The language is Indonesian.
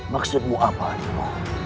maksudmu apa adikmu